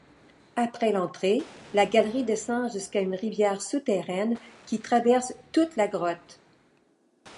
Après l'entrée, la galerie descend jusqu'à une rivière souterraine qui traverse toute la grotte.